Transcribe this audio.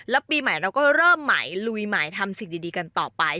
แล้วปีใหม่เราก็เริ่มใหม่ลุยใหม่ทำสิ่งดีกันต่อไป